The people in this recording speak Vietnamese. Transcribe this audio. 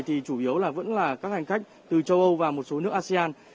thì chủ yếu là vẫn là các hành khách từ châu âu và một số nước asean